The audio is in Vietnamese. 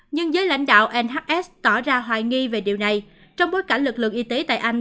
nhưng giới lãnh đạo nhs tỏ ra hoài nghi về điều này trong bối cảnh lực lượng y tế tại anh